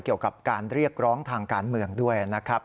เกี่ยวกับการเรียกร้องทางการเมืองด้วยนะครับ